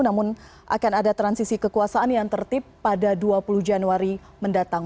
namun akan ada transisi kekuasaan yang tertib pada dua puluh januari mendatang